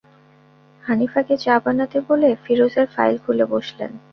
হানিফাকে চা বানাতে বলে ফিরোজের ফাইল খুলে বসলেন।